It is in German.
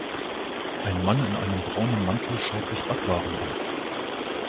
Ein Mann in einem braunen Mantel schaut sich Backwaren an.